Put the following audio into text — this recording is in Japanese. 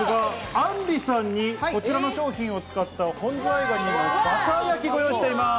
あんりさんに、こちらの商品を使った本ズワイガニのバター焼き、ご用意してます。